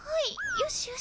よしよし。